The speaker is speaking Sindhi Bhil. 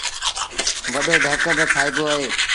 وڏو ڍڪ با ٺآئيٚبو اهي۔